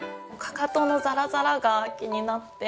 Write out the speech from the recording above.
かかとのザラザラが気になって。